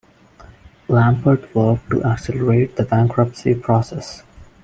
Lampert worked to accelerate the bankruptcy process.